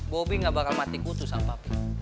bobi gak bakal mati kutu sama pak pi